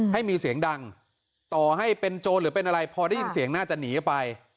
ให้มีเสียงดังต่อให้เป็นโจรหรือเป็นอะไรพอได้ยินเสียงน่าจะหนีออกไป